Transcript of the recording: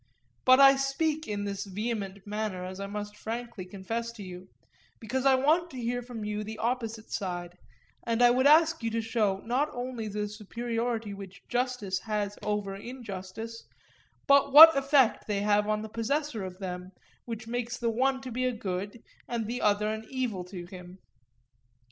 But I speak in this vehement manner, as I must frankly confess to you, because I want to hear from you the opposite side; and I would ask you to show not only the superiority which justice has over injustice, but what effect they have on the possessor of them which makes the one to be a good and the other an evil to him.